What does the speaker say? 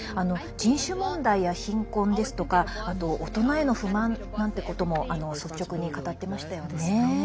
人種問題や貧困ですとか大人への不満なんてことも率直に語ってましたよね。